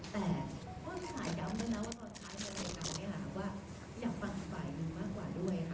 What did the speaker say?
แปลว่าว่าอยากต่างกับฝ่ายหนึ่งมากกว่าด้วย